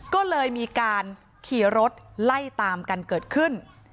ก็เลยมีการขี่รถไล่ตามกันเกิดขึ้น